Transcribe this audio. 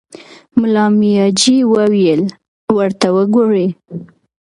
ملا مياجي وويل: ورته وګورئ!